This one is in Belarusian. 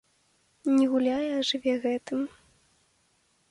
Не гуляе, а жыве гэтым.